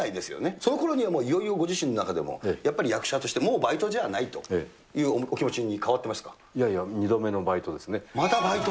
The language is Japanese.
そのころにはいよいよご自身の中でも、やっぱり役者としてもうバイトじゃないというお気持ちに変わっていやいや、２度目のバイトでまたバイト？